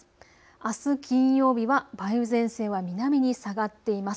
あす金曜日は梅雨前線は南に下がっています。